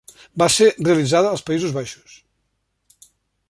Va ser realitzada als Països Baixos.